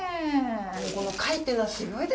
この貝っていうのはすぎょいですね。